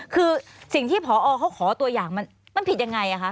คือสิ่งที่พอเขาขอตัวอย่างมันผิดยังไงคะ